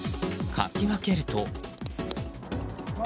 かき分けると。